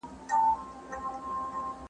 هغه د کیلې په خوړلو بوخت دی.